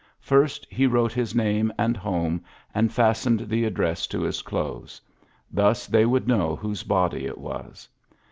First he wrote his name and home, and listened the ad dress to his clothes. Thus they would know whose body it was.